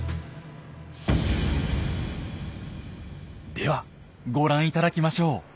ではご覧頂きましょう。